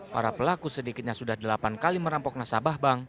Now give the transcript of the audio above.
para pelaku sedikitnya sudah delapan kali merampok nasabah bank